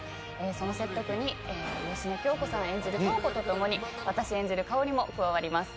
その説得に芳根京子さん演じる塔子と共に私演じるかほりも加わります。